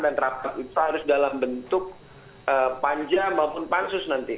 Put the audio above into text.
dan rapat itu harus dalam bentuk panjang maupun pansus nanti